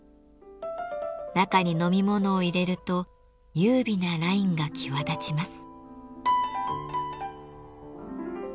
中に飲み物を入れると優美なラインが際立ちます。